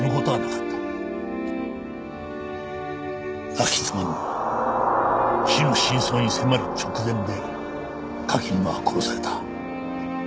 亡き妻の死の真相に迫る直前で柿沼は殺された。